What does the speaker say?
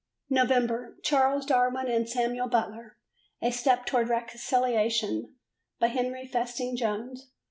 P. Nov. Charles Darwin and Samuel Butler: A Step towards Reconciliation, by Henry Festing Jones.